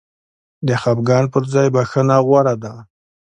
د خفګان پر ځای بخښنه غوره ده.